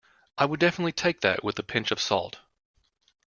I would definitely take that with a pinch of salt